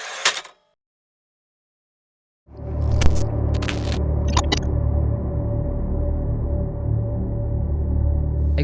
เปลี่ยงเดิมที่๓